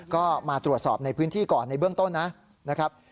ก็มาตรวจสอบในพื้นที่ก่อนในเบื้องต้นนะครับ